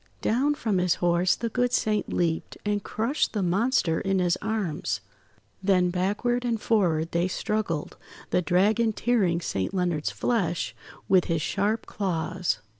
Down from his horse the good Saint leaped, and crushed the monster in his arms. Then backward and forward they struggled, the Dragon tearing Saint Leonard's flesh with his sharp claws.